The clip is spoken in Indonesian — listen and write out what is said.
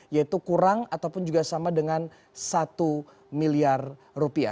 yaitu kurang ataupun juga sama dengan satu miliar rupiah